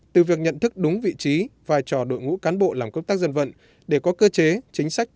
từ việc nhận thức đúng vị trí vai trò đội ngũ cán bộ làm công tác dân vận